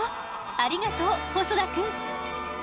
ありがとう細田くん。